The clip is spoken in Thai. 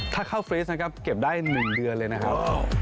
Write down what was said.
ถ้าเข้าฟรีสนะครับเก็บได้๑เดือนเลยนะครับ